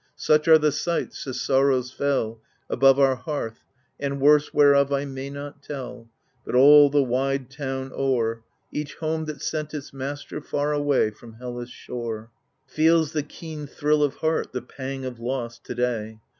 Such are the sights, the sorrows fell. About our hearth — and worse, whereof I may not tell But, all the wide town o'er, Each home that sent its master far away From Hellas* shore, Feels the keen thrill of heart, the pang of loss, to day.